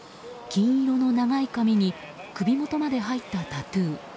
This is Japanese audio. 金色の長い髪に首元まで入ったタトゥー。